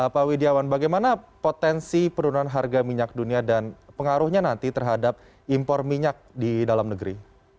pak widiawan bagaimana potensi penurunan harga minyak dunia dan pengaruhnya nanti terhadap impor minyak di dalam negeri